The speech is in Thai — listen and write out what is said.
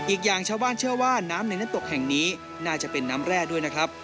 อีกอย่างชาวบ้านเชื่อว่าน้ำในน้ำตกแห่งนี้น่าจะเป็นน้ำแร่ด้วยนะครับ